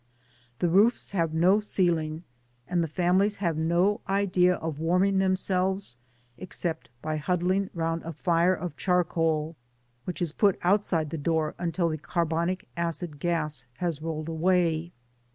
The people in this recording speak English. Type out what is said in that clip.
The roofs have no oeiUng, and the families have no idea of warming themselves except by huddling round a fire of charcoal, which is put outside the door undl the carbonic acid gas has rolled away.